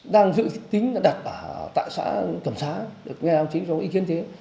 đang giữ tính đã đặt tại xã cầm xá được nghe ông chính cho ý kiến thế